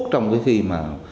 trong khi mà